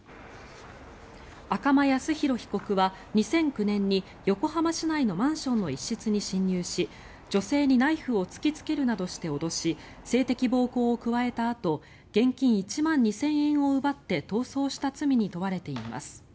赤間靖浩被告は２００９年に横浜市内のマンションの一室に侵入し女性にナイフを突きつけるなどして脅し性的暴行を加えたあと現金１万２０００円を奪って逃走した罪に問われています。